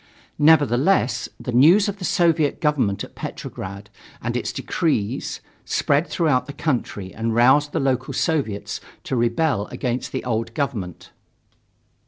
Nevertheless, the news of the Soviet government at Petrograd and its decrees spread throughout the country and roused the local Soviets to rebel against the old government.